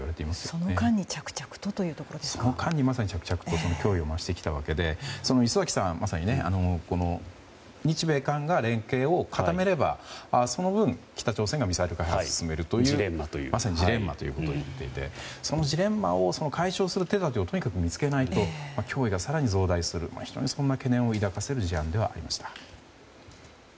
その間に着々と脅威を増してきたわけで礒崎さんはまさに、日米韓が連携を固めればその分、北朝鮮がミサイル開発を進めるという、まさにジレンマということになっていてそのジレンマを解消する手立てを見つけないと脅威が更に大きくなる非常に、そんな懸念を抱かせる事案でありました。